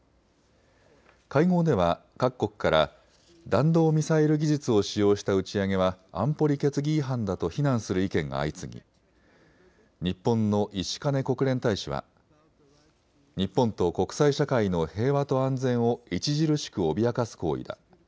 会合では各国から弾道ミサイル技術を使用した打ち上げは安保理決議違反だと非難する意見が相次ぎ日本の石兼国連大使は日本と国際社会の平和と安全を著しく脅かす行為だ。